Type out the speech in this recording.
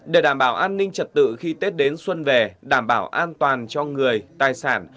để đảm bảo an ninh trật tự khi tết đến xuân về đảm bảo an toàn cho người tài sản